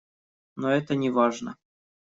Но это не важно.